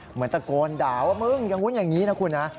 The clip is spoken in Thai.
เหมือนตะโกนด่าว่ามึงอย่างนู้นอย่างนี้นะคุณนะ